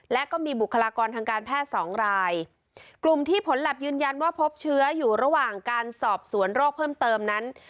และก็มีบุคลากรทางการแพทย์สองรายกลุ่มที่ผลแล็บยืนยันว่าพบเชื้ออยู่ระหว่างการสอบสวนโรคเพิ่มเติมนั้น